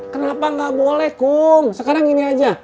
kenapa nggak boleh kum sekarang gini aja